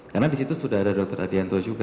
karena disitu sudah ada dokter adianto juga